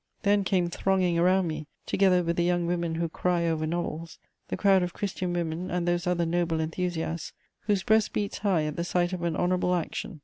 Then came thronging around me, together with the young women who cry over novels, the crowd of Christian women, and those other noble enthusiasts whose breast beats high at the sight of an honourable action.